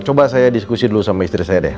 coba saya diskusi dulu sama istri saya deh